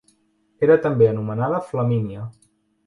Era també anomenada Flamínia.